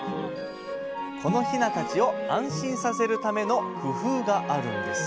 このヒナたちを安心させるための工夫があるんです。